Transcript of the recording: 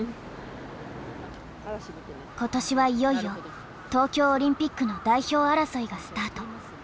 今年はいよいよ東京オリンピックの代表争いがスタート。